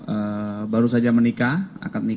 eh baru saja menikah akan menikah